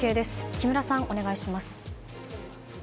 木村さん、お願いします。